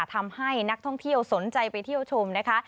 ทำให้นักท่องเที่ยวสนใจไปเที่ยวชมนะคะ